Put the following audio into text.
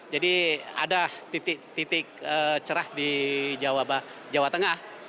jadi ada titik titik cerah di jawa tengah